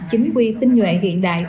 chính quy tinh nguyện hiện đại